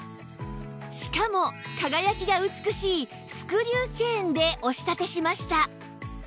しかも輝きが美しいスクリューチェーンでお仕立てしました